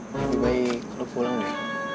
lebih baik lo pulang deh